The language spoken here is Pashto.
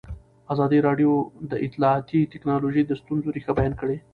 ازادي راډیو د اطلاعاتی تکنالوژي د ستونزو رېښه بیان کړې.